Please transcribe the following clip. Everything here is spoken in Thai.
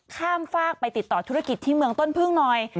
ข้ามฝากไปติดต่อธุรกิจที่เมืองต้นพึ่งหน่อย